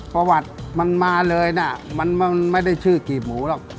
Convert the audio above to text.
ประวัติมันมาเลยนะมันไม่ได้ชื่อกีบหมูหรอก